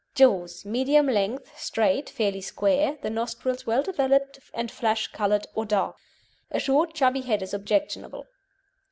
JAWS Medium length, straight, fairly square, the nostrils well developed, and flesh coloured or dark. A short, chubby head is objectionable.